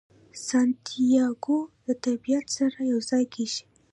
سانتیاګو د طبیعت سره یو ځای کیږي.